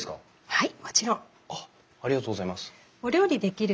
はい。